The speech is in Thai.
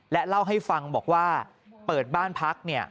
เล่าให้ฟังบอกว่าเปิดบ้านพัก